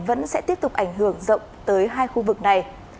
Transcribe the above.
vẫn sẽ tiếp tục ảnh hưởng rộng tới hai khu vực này